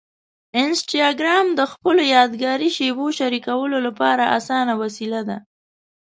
انسټاګرام د خپلو یادګاري شېبو شریکولو لپاره اسانه وسیله ده.